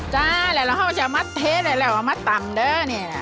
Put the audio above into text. จ้ะแล้วเราก็จะมาเทรดแล้วบังตรัมเนี่ย